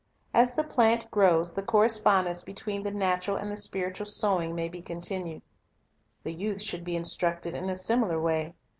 As the plant grows, the correspondence between the natural and the spiritual sowing may be continued. The youth should be instructed in a similar way.